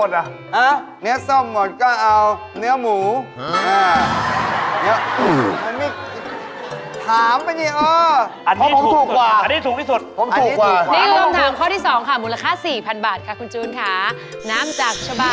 ราคาไม่แพงอย่างที่คุณคิดครับ